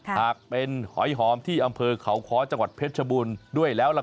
หากเป็นหอยหอมที่อำเภอเขาค้อจังหวัดเพชรชบูรณ์ด้วยแล้วล่ะ